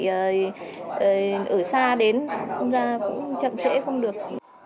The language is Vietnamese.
ở xa đến cũng chậm chẽ không được